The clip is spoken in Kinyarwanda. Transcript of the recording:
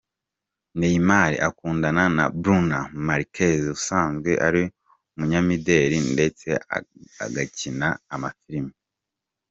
Neymar akundana na Bruna Marquez usanzwe ari umunyamideli ndetse agakina amafilimi.